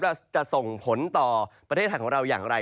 จะส่งผลต่อประเทศไทยของเราอย่างไร